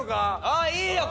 ああいいよ。